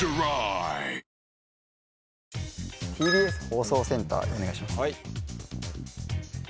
ＴＢＳ放送センターでお願いします